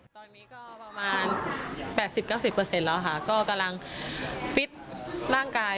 ตอนนี้ก็ประมาณ๘๐๙๐แล้วค่ะก็กำลังฟิตร่างกาย